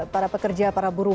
para pekerja para buruh